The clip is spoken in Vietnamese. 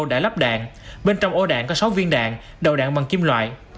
đã lắp đạn bên trong ô đạn có sáu viên đạn đầu đạn bằng kim loại